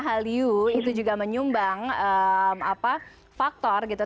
hallyu itu juga menyumbang faktor gitu